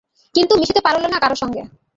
কিন্তু মিশিতে পারিল না কারো সঙ্গে।